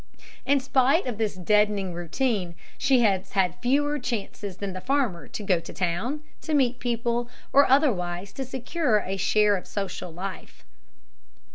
In spite of this deadening routine, she has had fewer chances than the farmer to go to town, to meet people, or otherwise to secure a share of social life.